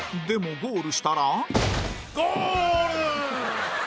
ゴール！